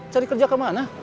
cari kerja ke mana